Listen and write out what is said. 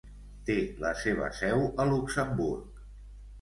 Té la seva seu a Luxemburg.